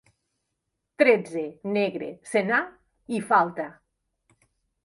Tretze, negre, senar i falta.